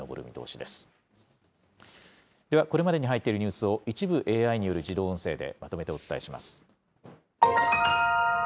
では、これまでに入っているニュースを一部ＡＩによる自動音声でまとめてお伝えします。